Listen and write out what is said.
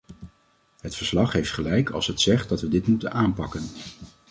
Het verslag heeft gelijk als het zegt dat we dit moeten aanpakken.